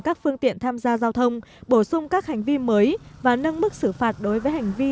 các phương tiện tham gia giao thông bổ sung các hành vi mới và nâng mức xử phạt đối với hành vi